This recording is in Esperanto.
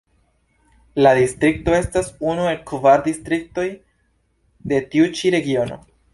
La distrikto estas unu el kvar distriktoj de tiu ĉi regiono.